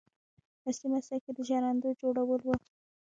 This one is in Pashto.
اصلي مسلک یې د ژرندو جوړول و.